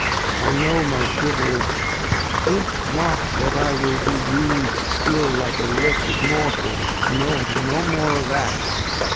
I know my Privilege, think not that I wHl Be us'd like a wretched Mortal ? No, No more of that.